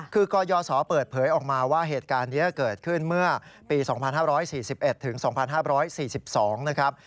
คือกยศเปิดเผยออกมาว่าเหตุการณ์นี้เกิดขึ้นเมื่อปี๒๕๔๑ถึง๒๕๔๒นะครับ